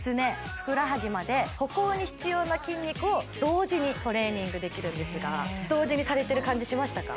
ふくらはぎまで歩行に必要な筋肉を同時にトレーニングできるんですが同時にされてる感じしましたか？